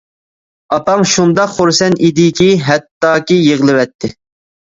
ئاپاڭ شۇنداق خۇرسەن ئىدىكى، ھەتتاكى يىغلىۋەتتى.